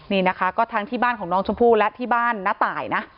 นี่นะคะก็ทั้งที่บ้านของน้องชมพู่และที่บ้านน้าตายนะ